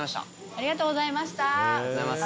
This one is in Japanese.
ありがとうございます。